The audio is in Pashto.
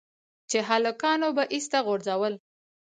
چې هلکانو به ايسته غورځول.